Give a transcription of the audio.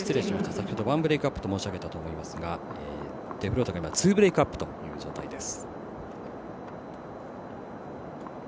先ほど１ブレークアップと申し上げたと思いますがデフロートが２ブレークアップという状態です。